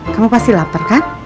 kamu pasti lapar kan